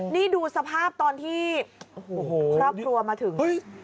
นี่ดูสภาพตอนที่ครอบครัวมาถึง